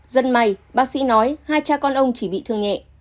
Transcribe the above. rất may bác sĩ nói hai cha con ông chỉ bị thương nhẹ